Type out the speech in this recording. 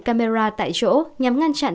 camera tại chỗ nhằm ngăn chặn